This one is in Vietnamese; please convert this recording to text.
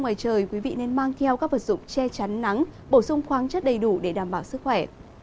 ngoài trời quý vị nên mang theo các vật dụng che chắn nắng bổ sung khoáng chất đầy đủ để đảm bảo sức khỏe